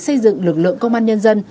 xây dựng lực lượng công an nhân dân